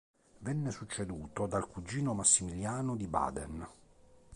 Venne succeduto dal cugino Massimiliano di Baden.